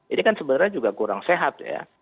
ini kan sebenarnya juga kurang sehat ya